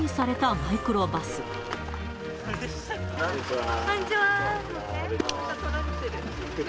こんにちは。